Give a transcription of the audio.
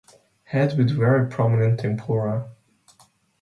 Head with very prominent tempora.